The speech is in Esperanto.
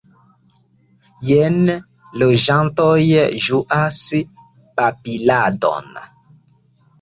Jen loĝantoj ĝuas babiladon.